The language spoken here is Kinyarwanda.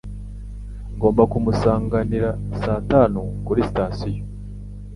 Ngomba kumusanganira saa tanu kuri sitasiyo.